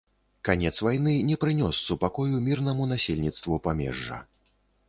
Канец вайны не прынёс супакою мірнаму насельніцтву памежжа.